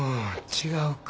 違うか。